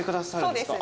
そうですね。